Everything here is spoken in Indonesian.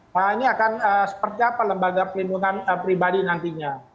nah ini akan seperti apa lembaga pelindungan pribadi nantinya